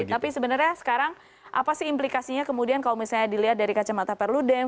tapi sebenarnya sekarang apa sih implikasinya kemudian kalau misalnya dilihat dari kacamata perludem